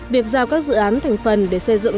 việc giao các dự án thành phần để xây dựng